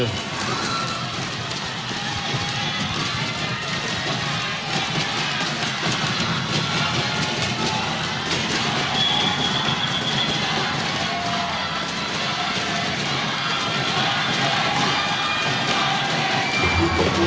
assalamualaikum warahmatullahi wabarakatuh